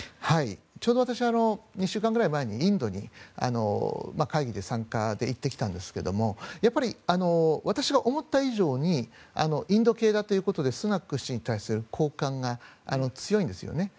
ちょうど２週間前ぐらいにインドで会議に参加で行ってきたんですが私が思った以上にインド系だということでスナク氏に対する好感が強いんですよね。